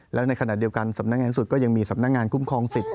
แล้วในขณะเดียวกันสำนักงานสุดก็ยังมีสำนักงานคุ้มครองสิทธิ